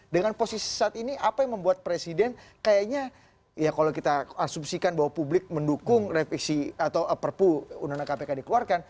dengan posisi saat ini apa yang membuat presiden kayaknya ya kalau kita asumsikan bahwa publik mendukung revisi atau perpu undang undang kpk dikeluarkan